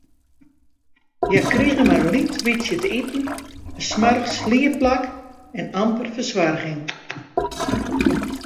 Hja krigen mar in lyts bytsje te iten, in smoarch sliepplak en amper fersoarging.